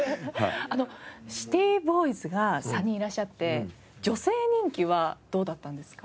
あのシティボーイズが３人いらっしゃって女性人気はどうだったんですか？